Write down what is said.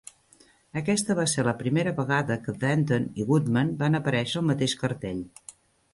Aquesta va ser la primera vegada que Denton i Goodman van aparèixer al mateix cartell.